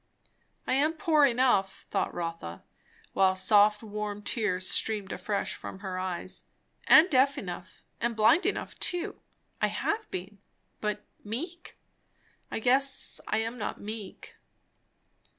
I am poor enough, thought Rotha, while soft warm tears streamed afresh from her eyes; and deaf enough, and blind enough too, I have been; but meek? I guess I'm not meek.